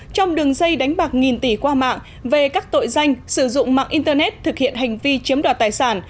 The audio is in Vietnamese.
trong đường dây đánh bạc nghìn tỷ qua mạng về các tội danh sử dụng mạng internet thực hiện hành vi chiếm đoạt tài sản